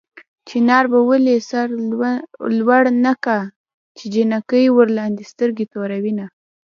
چنار به ولې سر لوړ نه کا چې جنکۍ ورلاندې سترګې توروينه